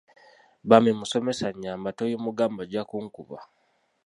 Bambi Musomesa nnyamba tobimugamba ajja kunkuba.